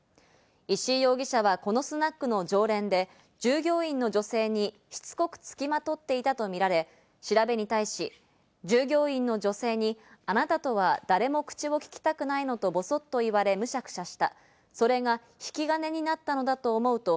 石井容疑者はこのスナックの常連で、従業員の女性にしつこくつきまとっていたとみられ、調べに対し、従業員の女性にあなたとは誰も口をききたくないのと、ボソッとお天気です。